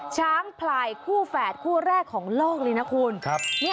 ช้างพลายคู่แฝดคู่แรกของโลกเลยนะคุณ